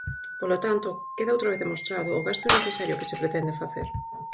Polo tanto, queda outra vez demostrado o gasto innecesario que se pretende facer.